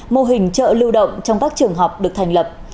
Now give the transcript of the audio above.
mô hình chợ lưu động trong các trường học được thành lập